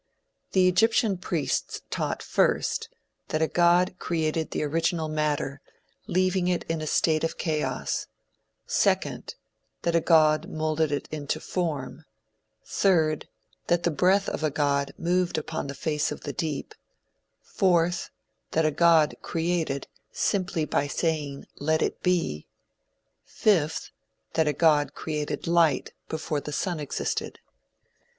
The Egyptian priests taught first, that a god created the original matter, leaving it in a state of chaos; second, that a god moulded it into form; third, that the breath of a god moved upon the face of the deep; fourth, that a god created simply by saying "Let it be;" fifth, that a god created light before the sun existed.